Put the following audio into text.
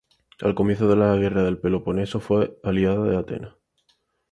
Al comienzo de la guerra del Peloponeso fue aliada de Atenas.